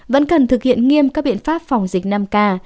vẫn cần thực hiện nghiêm các biện pháp phòng dịch năm k